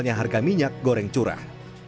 kenaikannya harga minyak goreng curah